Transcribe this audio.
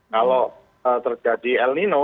kalau terjadi el nino